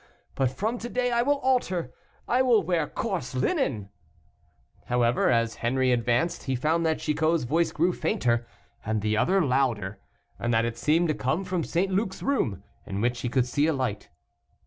But from to day I will alter I will wear coarse linen " However, as Henri advanced, he found that Chicot's voice grew fainter, and the other louder, and that it seemed to come from St. Luc's room, in which he could see a light.